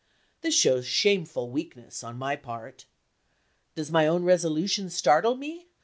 This shows shameful weakness, on my part. Does my own resolution startle me?